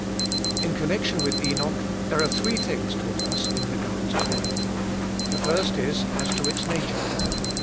In connection with Enoch there are three things taught us in regard to faith. The first is, as to its nature.